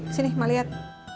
sini mak lihat